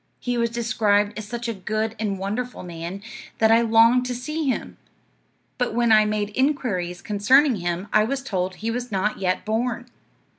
He was described as such a good and wonderful man, that I longed to see him; but when I made inquiries concerning him I was told he was not yet born.